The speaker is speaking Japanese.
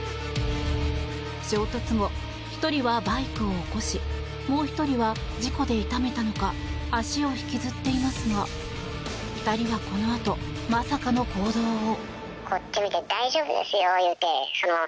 衝突後、１人はバイクを起こしもう１人は事故で痛めたのか足を引きずっていますが２人はこのあとまさかの行動を。